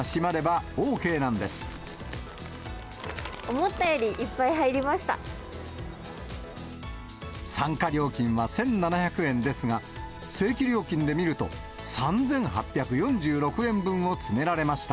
思ったよりいっぱい入りまし参加料金は１７００円ですが、正規料金で見ると、３８４６円分を詰められました。